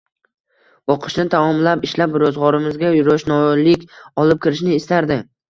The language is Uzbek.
O`qishni tamaomlab, ishlab ro`zg`orimizga ro`shnolik olib kirishni istardi